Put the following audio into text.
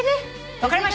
分かりました。